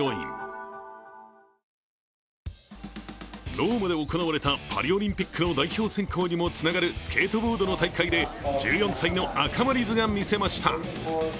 ローマで行われたパリオリンピックの代表選考にもつながるスケートボードの大会で１４歳の赤間凛音がみせました。